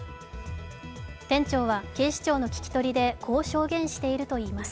店長は警視庁の聞き取りでこう証言しているといいます。